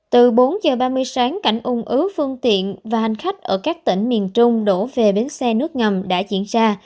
từ bốn h ba mươi sáng cảnh ung ứ phương tiện và hành khách ở các tỉnh miền trung đổ về bến xe nước ngầm đã diễn ra